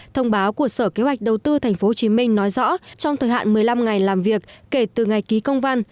thông báo của sở kế hoạch đầu tư tp hcm nói rõ trong thời hạn một mươi năm ngày làm việc kể từ ngày ký công văn